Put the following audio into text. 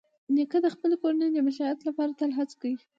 نیکه د خپلې کورنۍ د معیشت لپاره تل هڅه کوي.